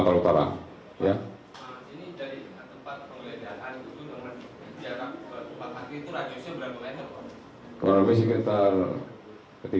nah ini dari tempat pengelolaan itu jarak ke rumah sakit itu radiusnya berapa meter